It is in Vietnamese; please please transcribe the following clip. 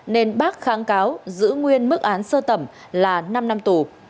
nên bác kháng cáo giữ nguyên mức án sơ thẩm là năm năm tù